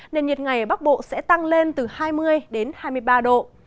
nền nhiệt ngày ở bắc bộ sẽ tăng lên từ hai mươi đến hai mươi ba độ